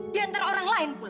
diantara orang lain pula